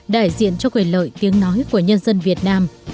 đại diện cho quyền lợi tiếng nói của nhân dân việt nam